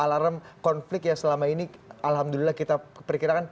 alarm konflik yang selama ini alhamdulillah kita berkira kan